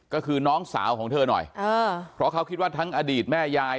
ก็คือน้องสาวของเธอหน่อยเพราะเขาคิดว่าทั้งอดีตแม่ยาย